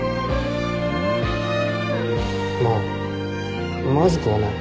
まあまずくはない。